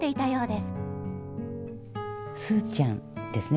「すーちゃん」ですね。